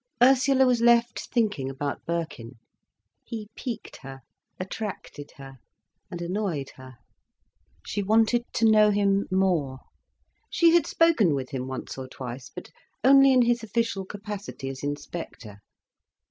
Ursula was left thinking about Birkin. He piqued her, attracted her, and annoyed her. She wanted to know him more. She had spoken with him once or twice, but only in his official capacity as inspector.